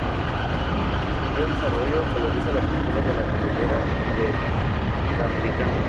Su mayor desarrollo, obedece a la apertura de la Carretera Interamericana.